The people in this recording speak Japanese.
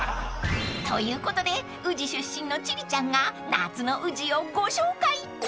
［ということで宇治出身の千里ちゃんが夏の宇治をご紹介］